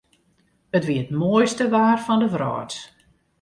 It wie it moaiste waar fan de wrâld.